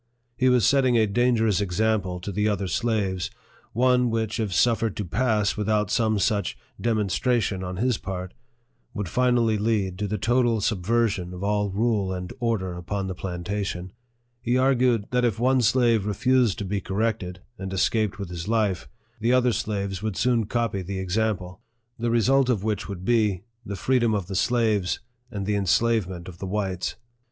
He was setting a dangerous example to the other slaves, one which, if suffered to pass without some such demon stration on his part, would finally lead to the total sub version of all rule and order upon the plantation. He argued that if one slave refused to be corrected, and escaped with his life, the other slaves would soon copy the example ; the result of which would be, the free dom of the slaves, and the enslavement of the whites. Mr.